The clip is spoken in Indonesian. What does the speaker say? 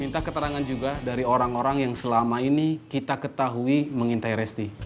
minta keterangan juga dari orang orang yang selama ini kita ketahui mengintai resti